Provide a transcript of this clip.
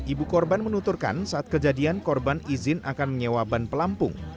ibu korban menuturkan saat kejadian korban izin akan menyewa ban pelampung